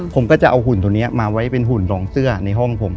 ผมก็จะเอาหุ่นตัวนี้มาไว้เป็นหุ่นดองเสื้อในห้องผม